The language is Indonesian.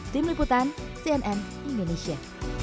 tim liputan cnn indonesia